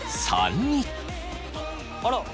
あら！